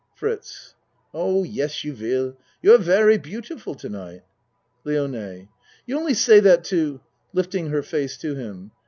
FRITZ Oh, yes, you will. You are very beauti ful to night. LIONE You only say that to (Lifting her face to him.)